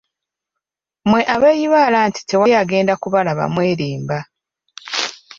Mmwe abeeyibaala nti tewali agenda kubalaba mwerimba.